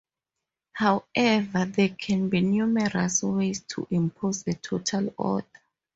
However, there can be numerous ways to impose a total order.